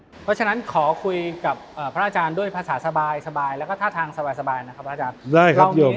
เพราะฉะนั้นขอคุยกับพระอาจารย์ด้วยภาษาสาบายสาบาย